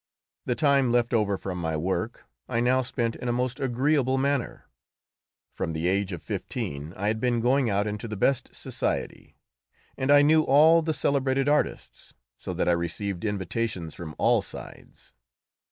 The time left over from my work I now spent in a most agreeable manner. From the age of fifteen I had been going out into the best society; and I knew all the celebrated artists, so that I received invitations from all sides.